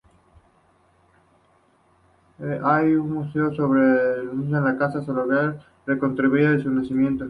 Hay un museo sobre Kościuszko en la casa solariega reconstruida de su nacimiento.